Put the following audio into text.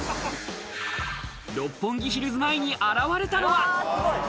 六本木ヒルズ前に現れたのは。